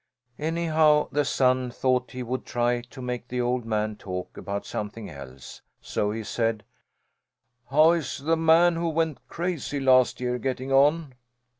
Anyhow, the son thought he would try to make the old man talk about something else. So he said: "How is the man who went crazy last year getting on?"